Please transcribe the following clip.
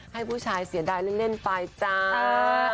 ให้ผู้ชายเสียได้เรื่องเล่นไปจ้าเออ